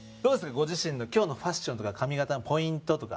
ご自身の今日のファッションとか髪形のポイントとか。